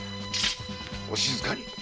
お静かに。